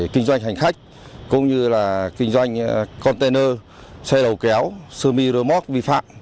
khách cũng như là kinh doanh container xe đầu kéo semi remote vi phạm